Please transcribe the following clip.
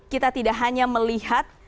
kita tidak hanya melihat